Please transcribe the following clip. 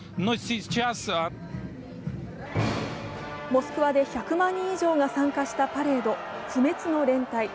モスクワで１００万人以上が参加したパレード、不滅の連隊。